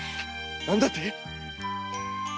何だって！？